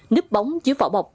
nếp bóng dưới vỏ bọc